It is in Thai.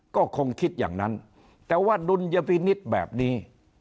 ก็คงคิดอย่างนั้นแต่ว่าดุลยพินิษฐ์แบบนี้